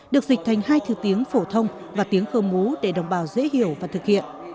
được dịch thành hai thứ tiếng phổ thông và tiếng khơ mú để đồng bào dễ hiểu và thực hiện